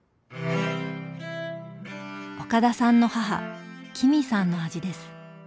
岡田さんの母君さんの味です。